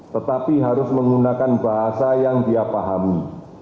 tetapi harus menggunakan bahasa yang dia pahami